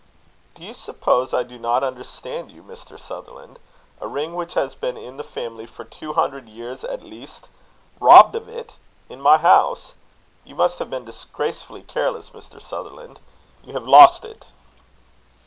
"Do you suppose I do not understand you, Mr. Sutherland? A ring which has been in the family for two hundred years at least! Robbed of it? In my house? You must have been disgracefully careless, Mr. Sutherland. You have lost it."